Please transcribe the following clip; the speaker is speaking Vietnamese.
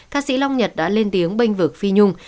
thạ sĩ long nhật đã lên tiếng bênh vực phi nhung